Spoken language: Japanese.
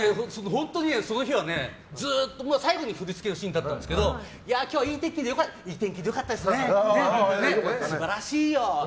本当に、その日は最後に振り付けのシーンだったんですけど今日はいい天気でよかったですね素晴らしいよ